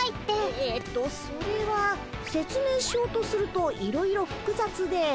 えっとそれはせつ明しようとするといろいろふくざつで。